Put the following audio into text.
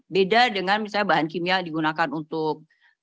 beda dengan misalnya bahan kimia digunakan untuk